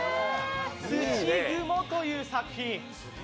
「土蜘蛛」という作品。